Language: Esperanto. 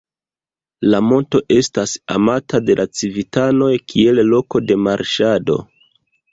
La monto estas amata de la civitanoj kiel loko de marŝado.